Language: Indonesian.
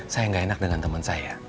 saya gak enak dengan teman saya